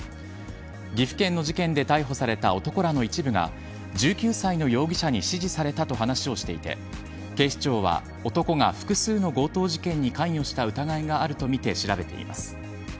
岐阜県の事件で逮捕された男らの一部が１９歳の容疑者に指示されたと話しをしていて警視庁は男が複数の強盗事件に関与した疑いがあるとみて調べています。